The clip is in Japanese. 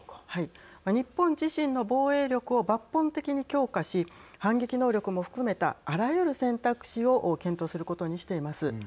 日本自身の防衛力を抜本的に強化し反撃能力も含めたあらゆる選択肢を検討することにしています。